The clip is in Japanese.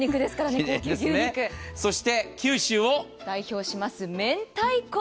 九州を代表します明太子！